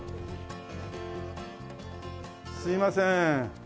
すいません。